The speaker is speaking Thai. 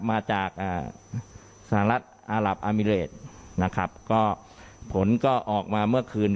มาจากสหรัฐอารับอามิเรตนะครับก็ผลก็ออกมาเมื่อคืน